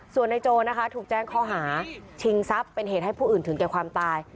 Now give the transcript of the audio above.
ส่วนในโจนะคะถูกแจ้งข้อหาชิงทรัพย์เป็นเหตุให้ผู้อื่นถึงแก่ความตาย